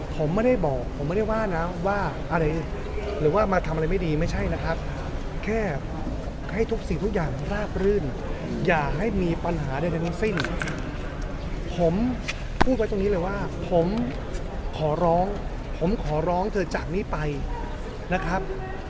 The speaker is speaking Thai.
ผมไม่ได้บอกผมไม่ได้ว่านะว่าอะไรหรือว่ามาทำอะไรไม่ดีไม่ใช่นะครับแค่ให้ทุกสิ่งทุกอย่างราบรื่นอย่าให้มีปัญหาใดทั้งสิ้นผมพูดไว้ตรงนี้เลยว่าผมขอร้องผมขอร้องเธอจากนี้ไปนะครับ